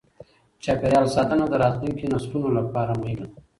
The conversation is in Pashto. چاپیریال ساتنه د راتلونکې نسلونو لپاره مهمه ده.